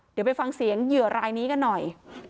เดี๋ยวไปฟังเสียงเหยื่อรายนี้กันหน่อย